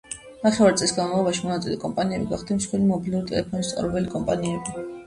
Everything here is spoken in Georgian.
ნახევარი წლის განმავლობაში მონაწილე კომპანიები გახდნენ მსხვილი მობილური ტელეფონის მწარმოებელი კომპანიები.